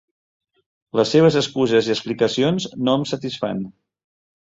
Les seves excuses i explicacions no em satisfan.